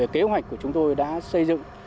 kế hoạch của chúng tôi đã xây dựng